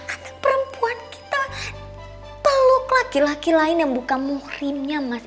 atau perempuan kita peluk laki laki lain yang buka muhrimnya mas